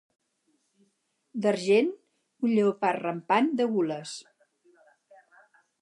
D'argent, un lleopard rampant de gules.